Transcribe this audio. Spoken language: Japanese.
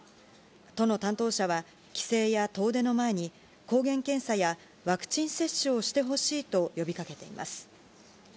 都の担当者は帰省や遠出の前に、抗原検査やワクチン接種をしてほしいと呼びかけています。